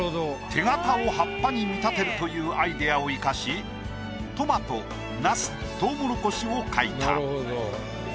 手形を葉っぱに見立てるというアイディアを生かしトマトナストウモロコシを描いた。